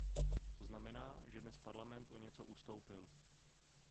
To znamená, že dnes Parlament o něco ustoupil.